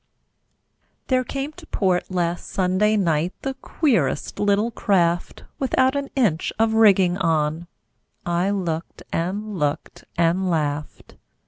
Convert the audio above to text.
There came to port last Sunday night The queerest little craft, Without an inch of rigging on; I looked and looked and laughed.